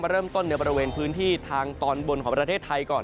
เริ่มต้นในบริเวณพื้นที่ทางตอนบนของประเทศไทยก่อน